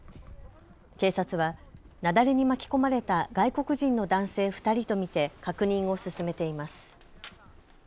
警察は雪崩に巻き込まれた外国人の男性２人と見て確認を進めています。